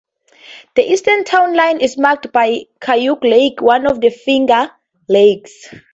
The eastern town line is marked by Cayuga Lake, one of the Finger Lakes.